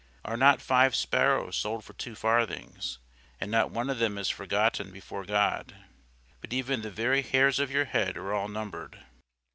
Are not five sparrows sold for two farthings, and not one of them is forgotten before God? But even the very hairs of your head are all numbered.